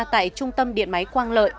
tại trung tâm điện máy quang lợi